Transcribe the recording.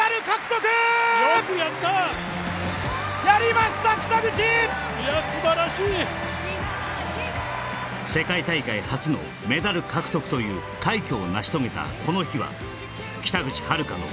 いや素晴らしい世界大会初のメダル獲得という快挙を成し遂げたこの日は北口榛花の